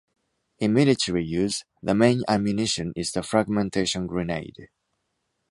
In military use, the main ammunition is the fragmentation grenade.